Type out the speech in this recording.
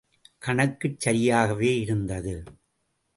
கணக்குச் சரியாகவே இருந்தது.